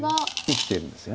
生きてるんですよね。